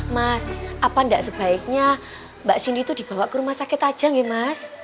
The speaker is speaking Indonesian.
mas apa enggak sebaiknya mbak zindi tuh dibawa ke rumah sakit aja enggak mas